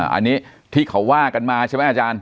อันนี้ที่เขาว่ากันมาใช่ไหมอาจารย์